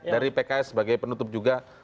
dari pks sebagai penutup juga